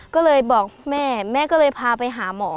ก็เลยบอกแม่แม่ก็เลยพาไปหาหมอ